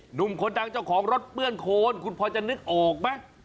หนุ่มคนดังเจ้าของรถเปื้อนโคนคุณพอจะนึกออกไหม